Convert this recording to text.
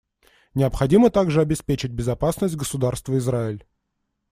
Необходимо также обеспечить безопасность Государства Израиль.